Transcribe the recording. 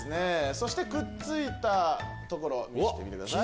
そしてくっついたところ見せてみてください。